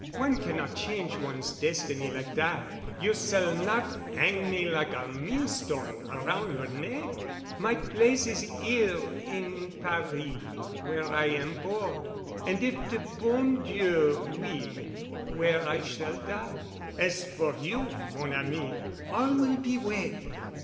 One cannot change one's destiny like dat. You s'all not 'ang me like a millstone aroun' your neck. My place is 'ere, in Paris, where I am born, an' if de bon Dieu will, where I s'all die. As for you, mon ami, all will be well.